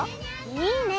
いいね！